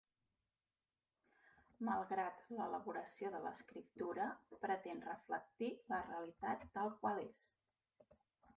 Malgrat l'elaboració de l'escriptura, pretén reflectir la realitat tal qual és.